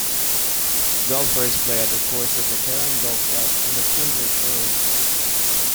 Golfers play at the course of the Kerang Golf Club on Koondrook Road.